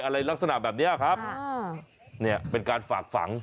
อะไรลักษณะแบบนี้ครับเนี่ยเป็นการฝากฝัง